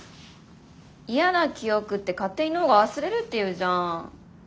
嫌な記憶って勝手に脳が忘れるって言うじゃん？